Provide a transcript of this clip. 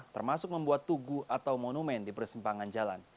termasuk membuat tugu atau monumen di persimpangan jalan